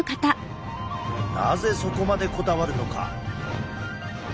なぜそこまでこだわるのか。